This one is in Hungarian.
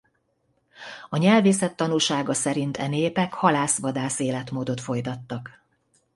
A nyelvészet tanúsága szerint e népek halász-vadász életmódot folytattak.